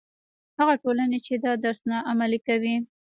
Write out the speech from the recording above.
هغه ټولنې چې دا درس نه عملي کوي.